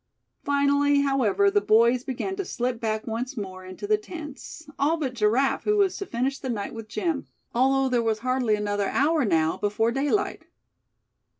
Finally, however, the boys began to slip back once more into the tents, all but Giraffe, who was to finish the night with Jim; although there was hardly another hour now before daylight.